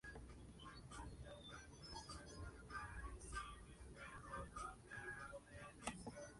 I made a cartoon that went viral and I am not going with it.